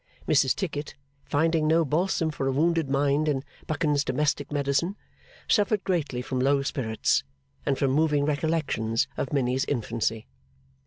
Mrs Tickit, finding no balsam for a wounded mind in Buchan's Domestic Medicine, suffered greatly from low spirits, and from moving recollections of Minnie's infancy.